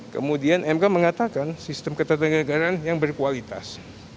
kemudian mk mengatakan sistem ketatanegaraan yang berkualitas